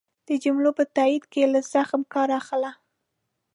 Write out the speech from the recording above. د جملو په تایېد کی له زغم کار اخله